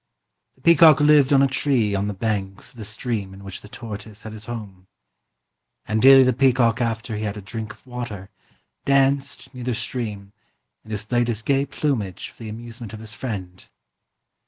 The peacock lived on a tree on the banks of the stream in which the tortoise had his home ; and daily the peacock after he had a drink of water danced near the stream and displayed his gay plumage for the amuse ment of his friend.